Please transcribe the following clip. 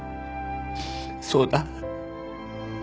そうだ。